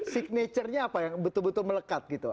signaturnya apa yang betul betul melekat gitu